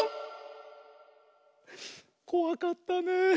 こわかったねえ。